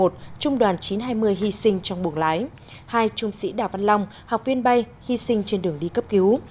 trung đoàn chín trăm hai mươi hy sinh trong buồng lái hai trung sĩ đào văn long học viên bay hy sinh trên đường đi cấp cứu